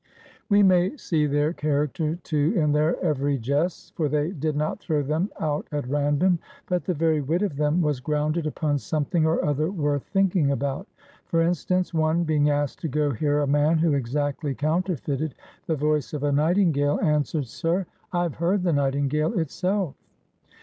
47 GREECE We may see their character, too, in their every jests. For they did not throw them out at random, but the very wit of them was grounded upon something or other worth thinking about. For instance, one, being asked to go hear a man who exactly counterfeited the voice of a nightingale, answered, "Sir, I have heard the nightin gale itself."